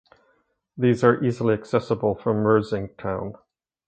These are easily accessible from Mersing town.